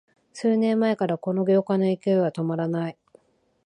数年前からこの業界の勢いは止まらない